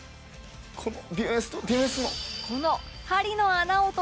「このディフェンスとディフェンスの」